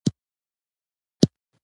سمیع الله او حفیظ الله هم درسره خبرکی